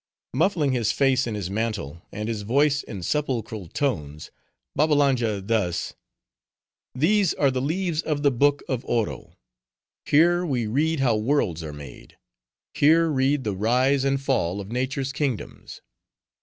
Muffling his face in his mantle, and his voice in sepulchral tones, Babbalanja thus:— "These are the leaves of the book of Oro. Here we read how worlds are made; here read the rise and fall of Nature's kingdoms.